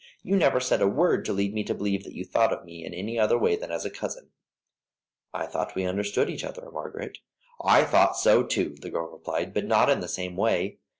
You never said a word to lead me to believe that you thought of me in any other way than as a cousin." "I thought we understood each other, Margaret." "I thought so too," the girl replied, "but not in the same way.